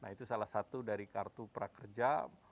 itu salah satu dari kartu prakerja